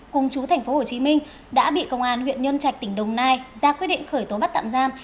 cùng chú tp hcm đã bị công an huyện nhân trạch tỉnh đồng nai ra quyết định khởi tố bắt tạm giam